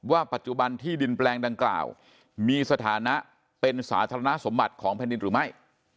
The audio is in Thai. ว่าปัจจุบันที่ดินแปลงดังกล่าวมีสถานะเป็นสาธารณสมบัติของแผ่นดินหรือไม่